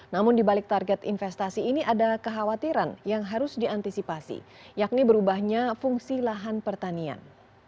namun dibalik target investasi ini ada kekhawatiran yang harus diantisipasi yakni berubahnya fungsi lahan pertanian